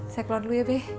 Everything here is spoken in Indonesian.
saya keluar dulu ya bu